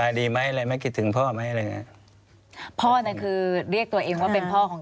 ควิทยาลัยเชียร์สวัสดีครับ